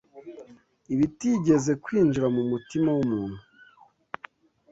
ibitigeze kwinjira mu mutima w’umuntu,